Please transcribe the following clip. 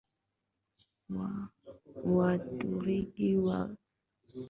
wa Waturuki wa eneo hilo waliungana na kupanga